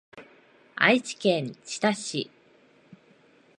愛知県知多市